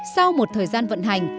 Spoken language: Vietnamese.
sau một thời gian vận hành